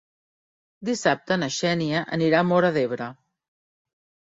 Dissabte na Xènia anirà a Móra d'Ebre.